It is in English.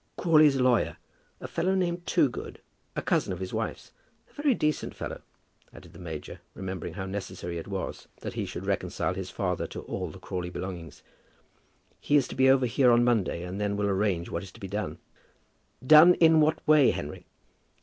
"Crawley's lawyer, a fellow named Toogood, a cousin of his wife's; a very decent fellow," added the major, remembering how necessary it was that he should reconcile his father to all the Crawley belongings. "He's to be over here on Monday, and then will arrange what is to be done." "Done in what way, Henry?"